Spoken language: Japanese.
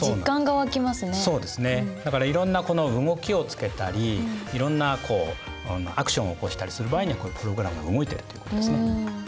だからいろんな動きをつけたりいろんなアクションを起こしたりする場合にはこういうプログラムが動いてるということですね。